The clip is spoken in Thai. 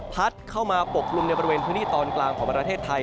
พัดเข้ามาปกกลุ่มในบริเวณพื้นที่ตอนกลางของประเทศไทย